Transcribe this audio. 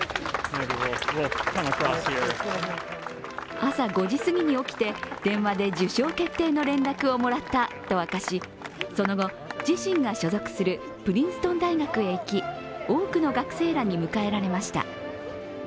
朝５時すぎに起きて、電話で受賞の連絡をもらったと証しその後、自身が所属するプリンストン大学へ行き多くの学生らに迎えられました。